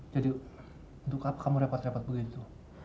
jadi untuk apa kamu repot repot begitu